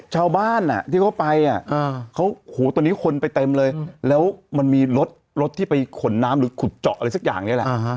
ชาวบ้านที่เขาไปตอนนี้คนไปเต็มเลยแล้วมันมีรถที่ไปขนน้ำหรือขุดเจาะอะไรสักอย่างนี้แหละ